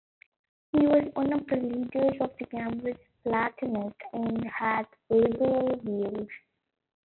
He was one of the leaders of the Cambridge Platonists, and had liberal views.